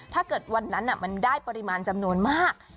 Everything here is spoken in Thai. ถ้าเกิดวันนั้นมันได้ปริมาณจำนวนมาก